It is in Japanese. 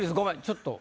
ちょっと。